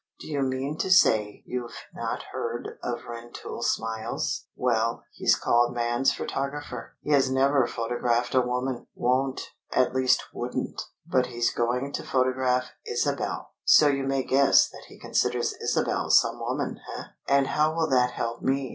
"Do you mean to say you've not heard of Rentoul Smiles? ... Well, he's called 'Man's photographer.' He has never photographed a woman! Won't! At least, wouldn't! But he's going to photograph Isabel! So you may guess that he considers Isabel some woman, eh?" "And how will that help me?"